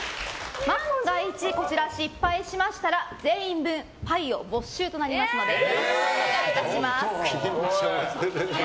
万が一こちら失敗しましたら全員分牌を没収となりますのでお願いします。